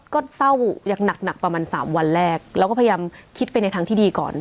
ก็เศร้าอย่างหนักประมาณ๓วันแรกแล้วก็พยายามคิดไปในทางที่ดีก่อน